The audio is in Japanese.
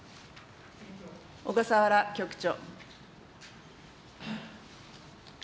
小笠原局長。